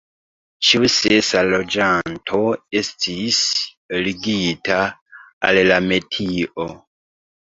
Ĉiu sesa loĝanto estis ligita al la metio.